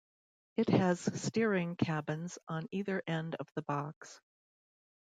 It has steering cabins on either end of the box.